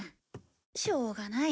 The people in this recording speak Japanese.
しょうがない。